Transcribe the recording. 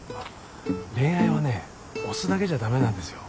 恋愛はね押すだけじゃダメなんですよ。